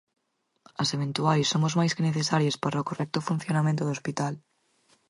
As eventuais somos máis que necesarias para o correcto funcionamento do hospital.